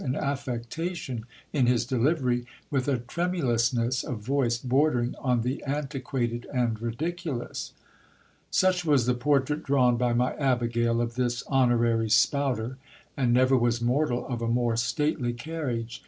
io8 GIL BLAS. ', an affectation in his delivery, with a tremulousness of voice bordering on the antiquated and ridiculous. Such was the portrait drawn by my abigail of this honorary spouter ; and never was mortal of a more stately carriage.